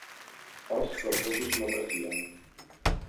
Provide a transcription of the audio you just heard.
Os que els gossos no aprecien.